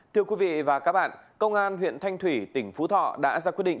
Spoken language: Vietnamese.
thưa quý vị và các bạn công an huyện thanh thủy tỉnh phú thọ đã ra quyết định